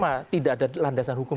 bukan sangat lemah